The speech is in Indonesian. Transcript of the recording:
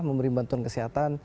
memberi bantuan kesehatan